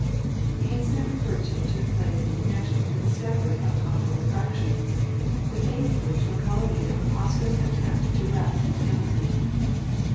The incident referred to took place in connection with the discovery of conical refraction, the fame of which Macullagh made a preposterous attempt to wrest from Hamilton.